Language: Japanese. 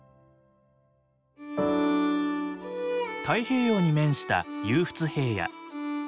太平洋に面した勇払平野。